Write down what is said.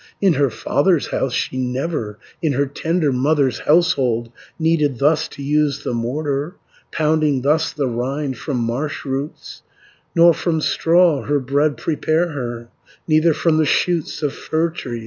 In her father's house she never, In her tender mother's household, Needed thus to use the mortar, Pounding thus the rind from marsh roots, Nor from straw her bread prepare her, Neither from the shoots of fir tree.